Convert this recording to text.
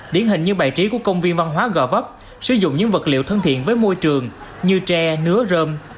điển hình như bài trí của công viên văn hóa gò vấp sử dụng những vật liệu thân thiện với môi trường như tre nứa rơm